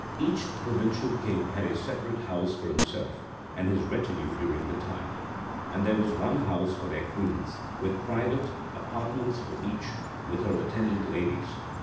Each provincial king had a separate house for himself and his retinue during the time; and there was one house for their queens, with private apartments for each, with her attendant ladies.